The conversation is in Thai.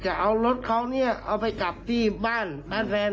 จะเอารถเขาเนี่ยเอาไปกลับที่บ้านบ้านแฟน